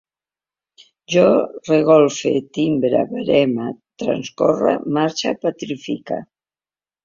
Jo regolfe, timbre, vereme, transcórrec, marxe, petrifique